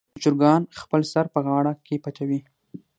چرګان خپل سر په غاړه کې پټوي.